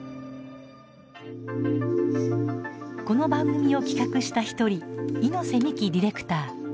この番組を企画した１人猪瀬美樹ディレクター。